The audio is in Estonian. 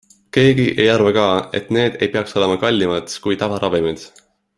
Keegi ei arva ka, et need ei peaks olema kallimad kui tavaravimid.